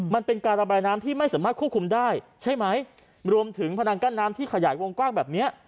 มันเป็นการระบายน้ำที่ไม่สามารถควบคุมได้ใช่ไหมรวมถึงพนังกั้นน้ำที่ขยายวงกว้างแบบเนี้ย